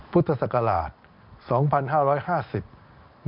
พุทธศักราช